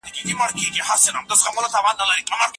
آیا ولسواکي تر دیکتاتورۍ ارامه ده؟